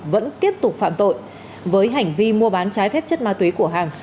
vẫn tiếp tục phạm tội với hành vi mua bán trái phép chất ma tuyển của hằng